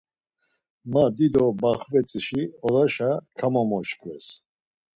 Ma dido baxvetzişi odaşa kamomoşkves.